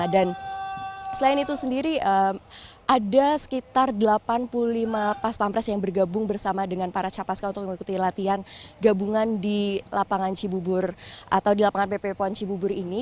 dan selain itu sendiri ada sekitar delapan puluh lima pas pampres yang bergabung bersama dengan para capaskan untuk mengikuti latihan gabungan di lapangan cibubur atau di lapangan pp puan cibubur ini